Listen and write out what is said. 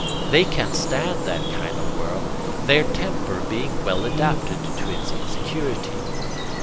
They can stand that kind of world, their temper being well adapted to its insecurity.